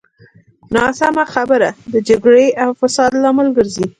ناسمه خبره د جګړې او فساد لامل ګرځي.